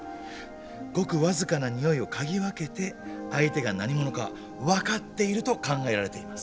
ごく僅かな匂いを嗅ぎ分けて相手が何者か分かっていると考えられています。